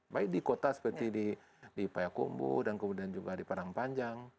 baik di kota seperti di payakumbu dan kemudian juga di padang panjang